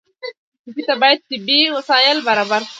ټپي ته باید طبي وسایل برابر کړو.